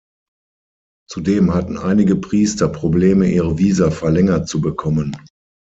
Zudem hatten einige Priester Probleme, ihre Visa verlängert zu bekommen.